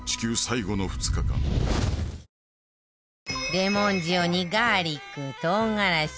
レモン塩にガーリック唐辛子